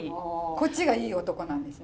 こっちがいい男なんですね？